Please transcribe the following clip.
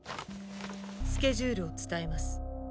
スケジュールを伝えます。